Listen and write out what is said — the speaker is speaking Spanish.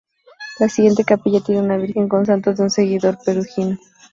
La siguiente capilla tiene una "Virgen con santos" de un seguidor de Perugino.